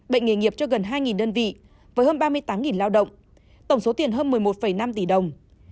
bệnh nghề nghiệp cho gần hai đơn vị với hơn ba mươi tám lao động tổng số tiền hơn một mươi một năm tỷ đồng